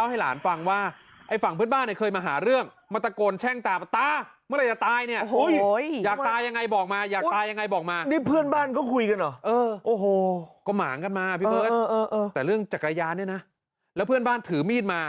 ก็หมางกันมาพี่เบิ้ลแต่เรื่องจักรยานเนี้ยนะแล้วเพื่อนบ้านถือมีดมา